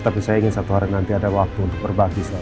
tapi saya ingin satu hari nanti ada waktu untuk berbagi